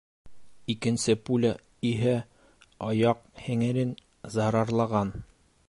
Икенсе пуля иһә аяҡ һеңерен зарарлаған.